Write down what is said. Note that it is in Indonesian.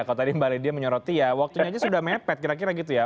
kalau tadi mbak lydia menyoroti ya waktunya aja sudah mepet kira kira gitu ya